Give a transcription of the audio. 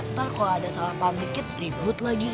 ntar kalau ada salah paham dikit ribut lagi